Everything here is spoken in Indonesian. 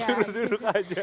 jurus duduk aja